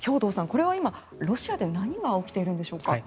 これは今、ロシアで何が起きているんでしょうか。